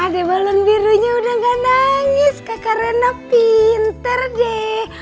adik balon birunya udah nggak nangis kakak rena pinter deh